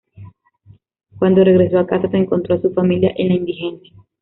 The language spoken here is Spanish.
Cuando regresó a casa se encontró a su familia en la indigencia.